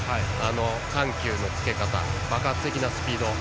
緩急のつけ方、爆発的なスピード。